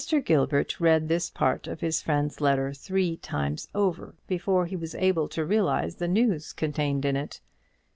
Gilbert read this part of his friend's letter three times over before he was able to realize the news contained in it.